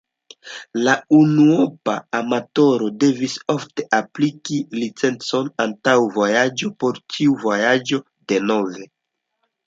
La unuopa amatoro devis ofte apliki licencon antaŭ vojaĝo, por ĉiu vojaĝo denove.